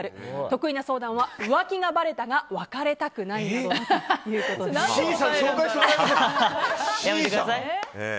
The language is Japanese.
得意な相談は、浮気がばれたが別れたくないなどということです。